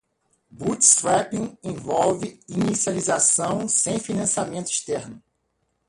Bootstrapping envolve inicialização sem financiamento externo.